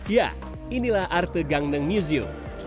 ya inilah arte gangneng museum